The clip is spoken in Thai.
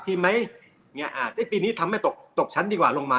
ทีมไหมเนี้ยอ่าที่ปีนี้ทำให้ตกตกชั้นดีกว่าลงมา